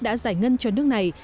đã giải ngân cho nước này